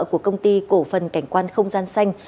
của công ty cổ phần cảnh quan không gian xanh